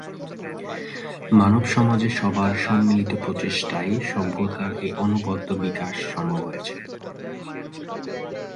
মানবসমাজে সবার সম্মিলিত প্রচেষ্টাই সভ্যতার এই অনবদ্য বিকাশ সম্ভব হয়েছে।